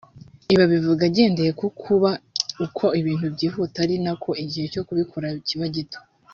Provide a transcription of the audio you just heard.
Ibi abivuga agendeye ku kuba uko ibintu byihuta ari nako igihe cyo kubikora kiba gito